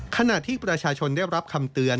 ขณะที่ประชาชนได้รับคำเตือน